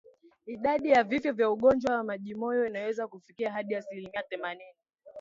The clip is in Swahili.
Idadi ya vifo vya ugonjwa wa majimoyo inaweza kufikia hadi asilimia themanini